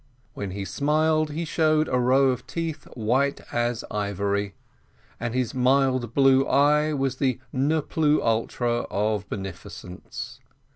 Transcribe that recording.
When he smiled he showed a row of teeth white as ivory, and his mild blue eye was the ne plus ultra of beneficence.